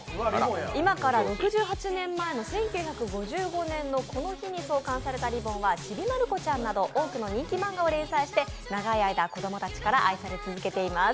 今から６８年前の１９５５年のこの日に創刊された「りぼん」は「ちびまる子ちゃん」など多くの人気漫画を連載して長い間、子供たちから愛され続けています。